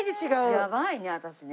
やばいね私ね。